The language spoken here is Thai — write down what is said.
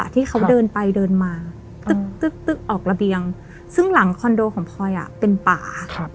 ที่เขาเดินไปเดินมาตึ๊กออกระเบียงซึ่งหลังคอนโดของพลอยเป็นป่า